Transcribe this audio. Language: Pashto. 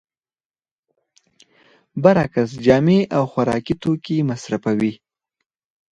برعکس جامې او خوراکي توکي مصرفوي